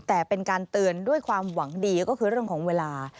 แต่เป็นการเตือนด้วยความหวังดีก็คือเรื่องของเวลา